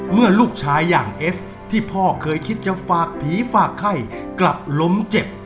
เมื่อลูกชายอย่างเอสที่พ่อเคยคิดจะฝากผีฝากไข้กลับล้มเจ็บ